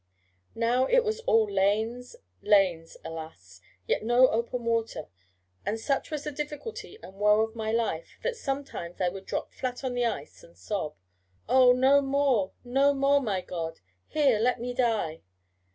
Now it was all lanes, lanes, alas! yet no open water, and such was the difficulty and woe of my life, that sometimes I would drop flat on the ice, and sob: 'Oh, no more, no more, my God: here let me die.'